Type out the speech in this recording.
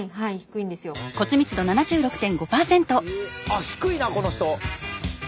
あっ低いなこの人！